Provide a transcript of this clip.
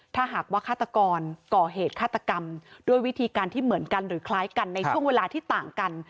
ถ้าหากว่าฆาตกรก่อเหตุฆาตกรรมด้วยวิธีการที่เหมือนกันหรือคล้ายกันในช่วงเวลาที่ต่างกัน